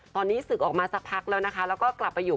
ตอนนี้ศึกออกมาสักพักแล้วนะคะแล้วก็กลับไปอยู่